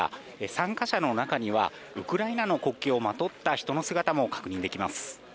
参加者の中にはウクライナの国旗をまとった人の姿も確認できます。